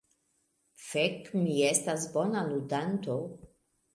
Fek, mi estas bona ludanto.